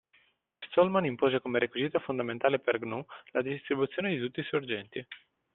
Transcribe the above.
Stallman impose come requisito fondamentale per GNU la distribuzione di tutti i sorgenti.